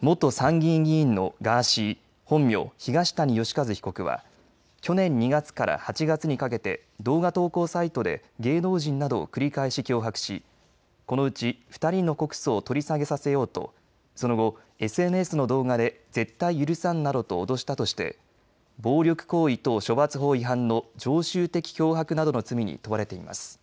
元参議院議員のガーシー、本名、東谷義和被告は去年２月から８月にかけて動画投稿サイトで芸能人などを繰り返し脅迫し、このうち２人の告訴を取り下げさせようとその後、ＳＮＳの動画で絶対許さんなどと脅したとして暴力行為等処罰法違反の常習的脅迫などの罪に問われています。